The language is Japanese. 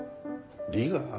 利がある？